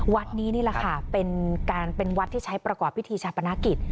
วัดนี้นี่แหละค่ะเป็นการเป็นวัดที่ใช้ประกอบพิธีชาปนกิจ